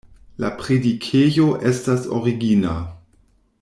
La predikejo estas origina.